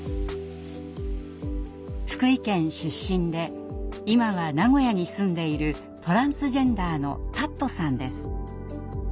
福井県出身で今は名古屋に住んでいるトランスジェンダーのたっとさんです。